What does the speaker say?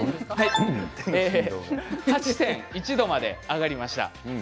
８．１度まで上がりました。